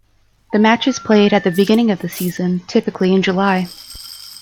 The match is played at the beginning of the season, typically in July.